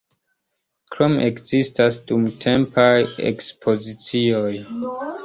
Krome ekzistas dumtempaj ekspozicioj.